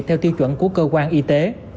theo tiêu chuẩn của cơ quan y tế